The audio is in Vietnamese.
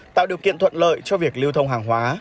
tạo điều kiện thuận lợi cho việc lưu thông hàng hóa